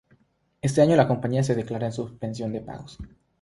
Ese año la compañía se declara en suspensión de pagos.